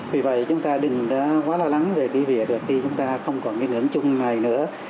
vì vậy chúng ta đừng quá lo lắng về việc khi chúng ta không còn ngưỡng chung này nữa